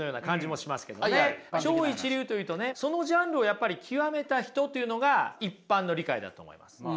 超一流というとねそのジャンルをやっぱり極めた人というのが一般の理解だと思います。